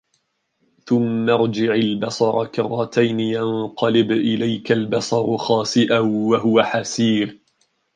ثُمَّ ارجِعِ البَصَرَ كَرَّتَينِ يَنقَلِب إِلَيكَ البَصَرُ خاسِئًا وَهُوَ حَسيرٌ